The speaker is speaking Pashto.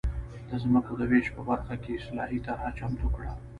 د ځمکو د وېش په برخه کې اصلاحي طرحه چمتو کړه.